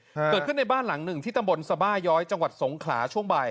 เกิดขึ้นในบ้านหลังหนึ่งที่ตำบลสบาย้อยจังหวัดสงขลาช่วงบ่าย